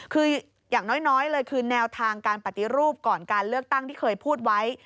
คืออย่างน้อยเลยคือแนวทางการปฏิรูปก่อนการเลือกตั้งที่เคยพูดไว้